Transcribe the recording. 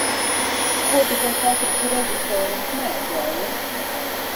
Ko tikai katrs režisoriņš neatļaujas!